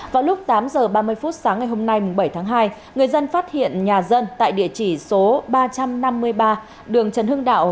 vào lúc tám h ba mươi phút sáng ngày hôm nay bảy tháng hai người dân phát hiện nhà dân tại địa chỉ số ba trăm năm mươi ba đường trần hưng đạo